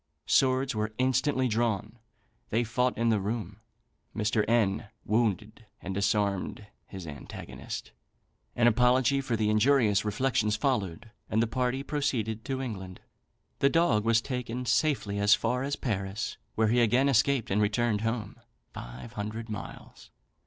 Swords were instantly drawn; they fought in the room. Mr. N wounded and disarmed his antagonist; an apology for the injurious reflections followed, and the party proceeded to England. The dog was taken safely as far as Paris, where he again escaped, and returned home (five hundred miles).